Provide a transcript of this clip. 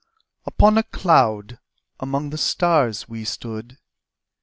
Upon a cloud among the stars we stood.